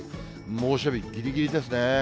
猛暑日ぎりぎりですね。